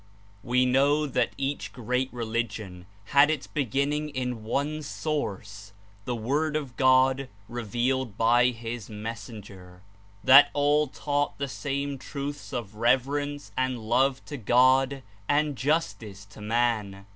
We know that each great religion had its begin ning in one source, the Word of God revealed by his Messenger; that all taught the same truths of rever ence and love to God and justice to man.